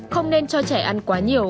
không nên cho trẻ ăn quá nhiều